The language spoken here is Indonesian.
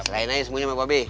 selain aja semuanya sama mba be